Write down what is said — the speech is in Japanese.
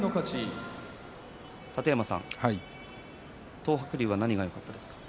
楯山さん、東白龍は何がよかったですか？